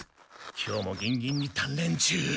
今日もギンギンにたんれん中。